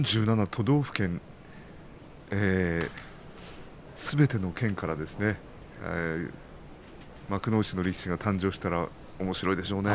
４７都道府県すべての県から幕内の力士が誕生したらおもしろいでしょうね。